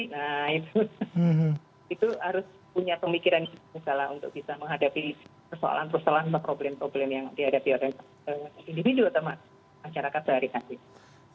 nah itu harus punya pemikiran untuk bisa menghadapi persoalan persoalan atau problem problem yang dihadapi oleh individu atau masyarakat sehari hari